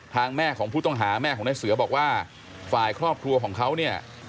แม่ของผู้ต้องหาแม่ของนายเสือบอกว่าฝ่ายครอบครัวของเขาเนี่ย